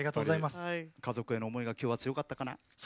家族への思いがきょうは強かったかな？